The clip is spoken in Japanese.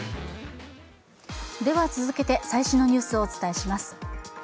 続けて最新のニュースをお伝えします。